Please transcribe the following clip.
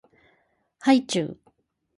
はいちゅう